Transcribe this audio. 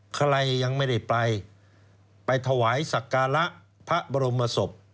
ใครยังไม่ได้ไปไปถวายสักการะพระบรมศพ